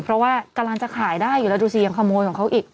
เพราะว่ากำลังจะขายได้อยู่แล้วดูสิยังขโมยของเขาอีก